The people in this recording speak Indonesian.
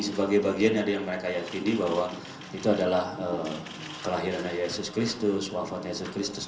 sebagai bagian dari yang mereka yakini bahwa itu adalah kelahiran yesus kristus wafat yesus kristus